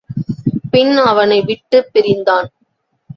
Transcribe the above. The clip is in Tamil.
பின் அவனை விட்டுப் பிரிந்தான்.